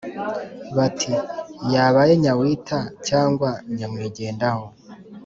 Bati: "Yabaye nyawita cyangwa nyamwigendaho